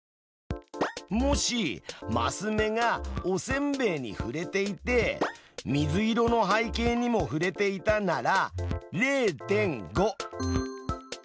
もしマス目がおせんべいにふれていて水色の背景にもふれていたなら０．５。